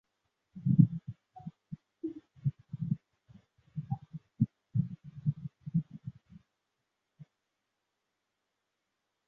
书法是中国艺术的重要组成部份。